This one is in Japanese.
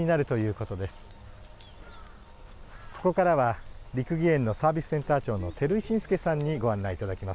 ここからは、六義園のサービスセンター長の照井進介さんにご案内いただきます。